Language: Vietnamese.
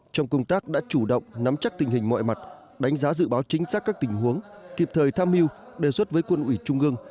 trong công tác đã chủ động nắm chắc tình hình mọi mặt đánh giá dự báo chính xác các tình huống kịp thời tham mưu đề xuất với quân ủy trung ương